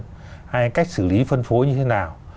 hai là cách xử lý phân phối như thế nào